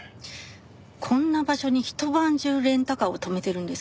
こんな場所にひと晩中レンタカーを止めてるんです。